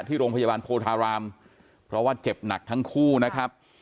ที่โรงพยาบาลโพธารามเพราะว่าเจ็บหนักทั้งคู่นะครับ